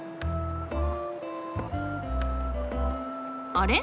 あれ？